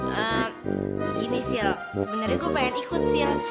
hmm gini sil sebenernya gue pengen ikut sil